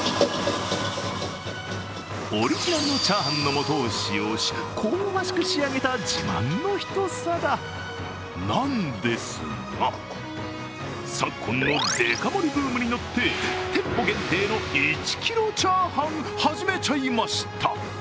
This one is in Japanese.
オリジナルのチャーハンのもとを使用し、香ばしく仕上げた自慢の一皿なんですが昨今のデカ盛りブームに乗って店舗限定の１キロチャーハン始めちゃいました。